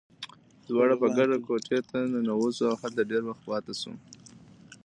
دواړه په ګډه کوټې ته ننوزو، او هلته ډېر وخت پاتې شو.